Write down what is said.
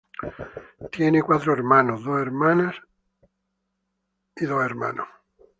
Ella tiene cuatro hermanos, dos hermanos y dos hermanas.